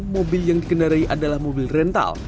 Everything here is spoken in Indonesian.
mobil yang dikendarai adalah mobil rental